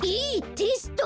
テスト？